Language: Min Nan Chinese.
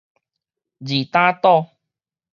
二膽島